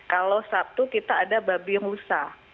kalau sabtu kita ada babi rusa